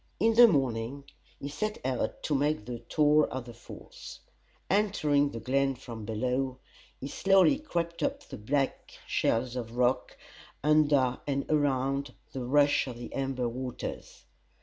In the morning he set out to make the tour of the Falls. Entering the glen from below, he slowly crept up the black shelves of rock, under and around the rush of the amber waters.